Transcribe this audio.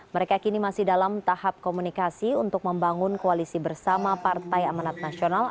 mereka kini masih dalam tahap komunikasi untuk membangun koalisi bersama partai amanat nasional